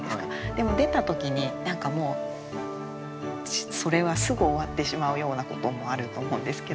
でも出た時に何かもうそれはすぐ終わってしまうようなこともあると思うんですけど。